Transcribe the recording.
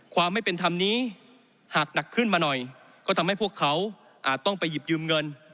ความไม่เป็นธรรมนี้หากหนักขึ้นมาหน่อยก็ทำให้พวกเขาอาจต้องไปหยิบยืมเงิน